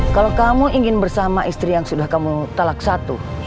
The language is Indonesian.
kalau kamu ingin bersama istri yang sudah kamu talak satu